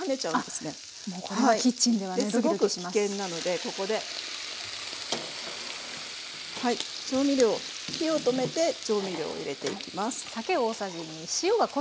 すごく危険なのでここで。火を止めて調味料を入れていきます。